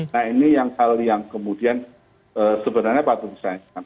nah ini yang hal yang kemudian sebenarnya patut disayangkan